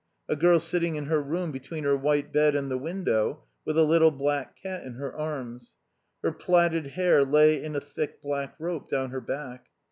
A girl sitting in her room between her white bed and the window with a little black cat in her arms. Her platted hair lay in a thick black rope down her back.